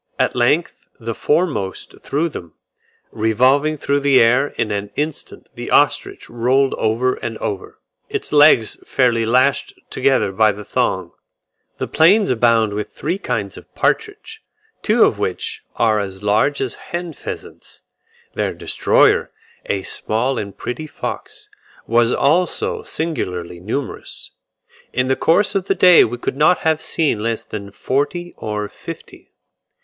At length the foremost threw them, revolving through the air: in an instant the ostrich rolled over and over, its legs fairly lashed together by the thong. The plains abound with three kinds of partridge, two of which are as large as hen pheasants. Their destroyer, a small and pretty fox, was also singularly numerous; in the course of the day we could not have seen less than forty or fifty.